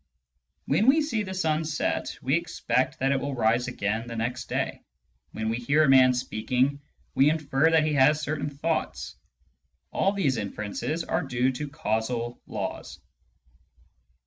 When we see the sun set, we expect that it will rise again the next day. When we hear a man speaking, we infer that he has certain thoughts. All these inferences are due to causal laws.